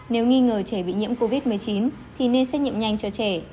nếu nghi ngờ trẻ bị nhiễm covid một mươi chín thì nên xét nghiệm nhanh cho trẻ